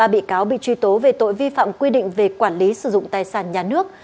ba bị cáo bị truy tố về tội vi phạm quy định về quản lý sử dụng tài sản nhà nước